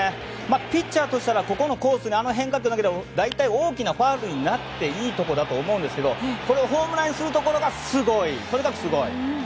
ピッチャーとしてはここのコースで変化球を投げると大きなファウルになっていいところだと思いますがここをホームランにするところがとにかくすごい。